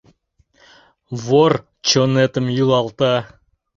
Вор чонетым йӱлалта.